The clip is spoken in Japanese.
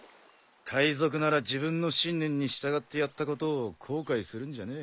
海賊なら自分の信念に従ってやったことを後悔するんじゃねえ。